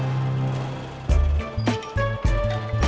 kita ke terminal